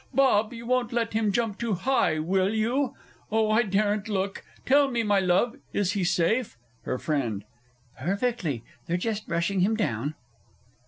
Bob, you won't let him jump too high, will you? Oh, I daren't look. Tell me, my love, is he safe? HER FRIEND. Perfectly they're just brushing him down.